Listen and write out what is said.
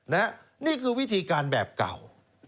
นี่คือวิธีการแบบเก่า